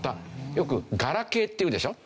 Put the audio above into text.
よくガラケーって言うでしょ？